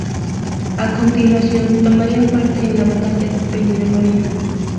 A continuación tomaría parte en la batalla de Peñarroya.